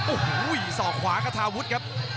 โอ้โหส่อขวาฆาตาวุฒิครับ